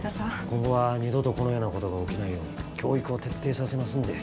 今後は二度とこのようなことが起きないように教育を徹底させますんで。